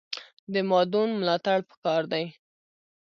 د مادون ملاتړ پکار دی